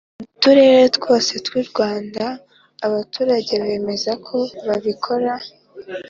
mu turere twose tw’u Rwanda abaturage bemeza ko babikora